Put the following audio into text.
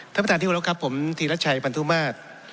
ท่านประธานที่วันแล้วครับผมธีรัชชัยปันทุมาส